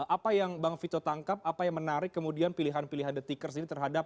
apa yang bang vito tangkap apa yang menarik kemudian pilihan pilihan the tickers ini terhadap